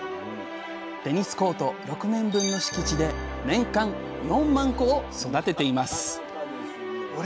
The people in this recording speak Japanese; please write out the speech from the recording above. テニスコート６面分の敷地で年間４万個を育てています